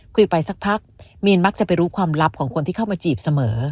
คุยไปสักพักมีนมักจะไปรู้ความลับของคนที่เข้ามาจีบเสมอ